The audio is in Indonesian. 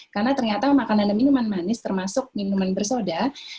karena ternyata makanan dan minuman manis termasuk minuman bersoda